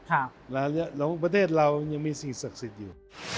แล้วประเทศเรายังมีสิ่งศักดิ์สิทธิ์อยู่